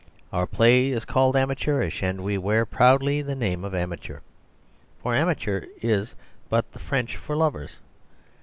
Our play is called amateurish; and we wear proudly the name of amateur, for amateurs is but the French for Lovers.